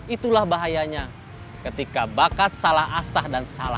itulah bahayanya ketika bakat salah asah dan salah